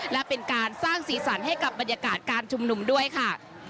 และเป็นการสร้างสีสันให้กับบรรยากาศการชุมนุมด้วยค่ะ